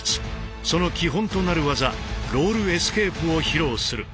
その基本となる技「ロールエスケープ」を披露する。